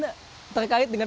terkait dengan pemberitaan